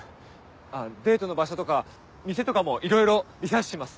あっデートの場所とか店とかもいろいろリサーチします。